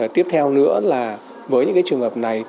tiếp theo nữa là với những trường hợp này